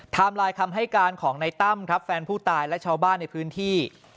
ไลน์คำให้การของในตั้มครับแฟนผู้ตายและชาวบ้านในพื้นที่